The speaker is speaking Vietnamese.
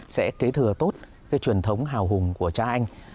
sẽ kế thừa tốt cái truyền thống hào hùng của cha anh